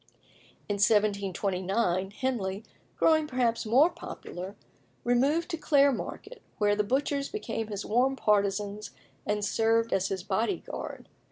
In 1729 Henley, growing perhaps more popular, removed to Clare Market, where the butchers became his warm partisans and served as his body guard.